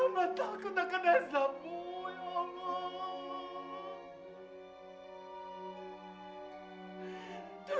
amat takut akan nasabu ya allah